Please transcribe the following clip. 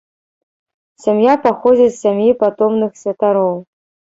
Сям'я паходзіць з сям'і патомных святароў.